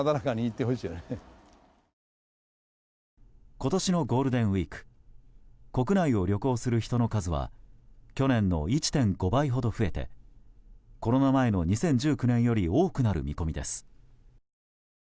今年のゴールデンウィーク国内を旅行する人の数は去年の１．５倍ほど増えてコロナ前の２０１９年より多くなる見込みです。